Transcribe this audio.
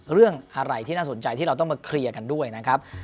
เรื่องอะไรที่น่าสนใจที่เราต้องมาเคลียร์กันด้วยนะครับ